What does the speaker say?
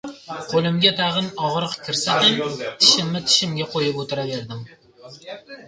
Qo‘limga tag‘in og‘riq kirsa ham tishimni tishimga qo‘yib o‘tiraverdim.